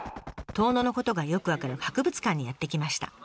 遠野のことがよく分かる博物館にやって来ました。